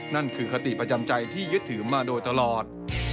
นั่นคือคติประจำใจที่ยึดถือมาโดยตลอด